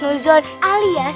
nah kita pencetan